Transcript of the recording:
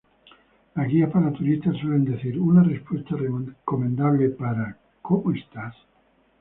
Las guías para turistas suelen decir: “Una respuesta recomendable para "¿Cómo estás?